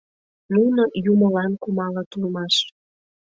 Нуно юмылан кумалыт улмаш!